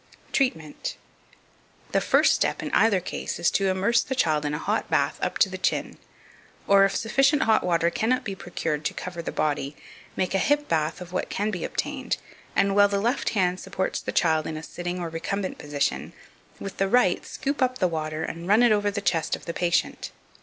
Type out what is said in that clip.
2521. Treatment. The first step in either case is, to immerse the child in a hot bath up to the chin; or if sufficient hot water cannot be procured to cover the body, make a hip bath of what can be obtained; and, while the left hand supports the child in a sitting or recumbent position, with the right scoop up the water, and run it over the chest of the patient.